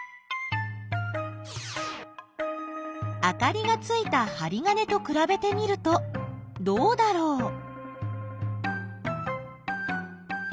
あかりがついたはり金とくらべてみるとどうだろう？